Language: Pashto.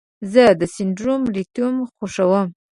زه د سندرو ریتم خوښوم.